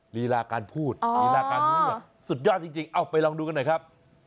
ลีลาการพูดลีลาการพูดสุดยอดจริงเอาไปลองดูกันหน่อยครับ